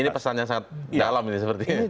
ini pesan yang sangat dalam ini sepertinya